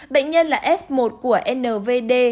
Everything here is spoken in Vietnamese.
bệnh nhân là f một của nvd